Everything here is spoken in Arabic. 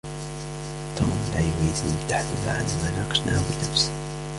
توم لا يريد مني التحدث عن ما ناقشناه بالأمس.